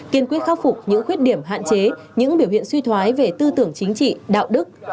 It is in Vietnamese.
kiên quyết khắc phục những khuyết điểm hạn chế những biểu hiện suy thoái về tư tưởng chính trị đạo đức